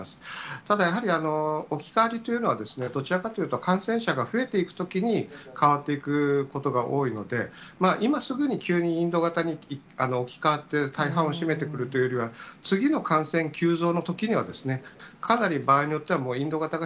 ただ、やはり、置き換わりというのはどちらかというと、感染者が増えていくときに代わっていくことが多いので、今すぐに、急にインド型に置き換わって、大半を占めてくるというよりは、次の感染急増のときには、かなり場合によっては、もうインド型が